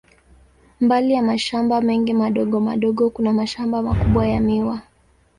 Mbali ya mashamba mengi madogo madogo, kuna mashamba makubwa ya miwa.